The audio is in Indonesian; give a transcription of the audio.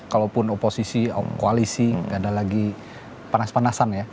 kalaupun oposisi koalisi tidak ada lagi panas panasan ya